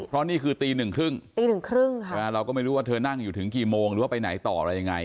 เพราะนี่คือตีหนึ่งครึ่งตีหนึ่งครึ่งค่ะเราก็ไม่รู้ว่าเธอนั่งอยู่ถึงกี่โมงหรือว่าไปไหนต่ออะไรยังไง